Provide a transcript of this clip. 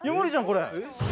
これ。